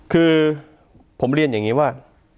คือผมเรียนอย่างนี้ว่า